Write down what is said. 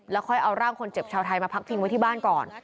ค่อยเอาร่างคนเจ็บชาวไทยมาพักพิงไว้ที่บ้านก่อน